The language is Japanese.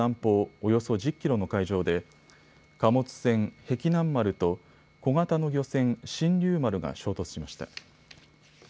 およそ１０キロの海上で貨物船、碧南丸と小型の漁船、神龍丸が衝突しました。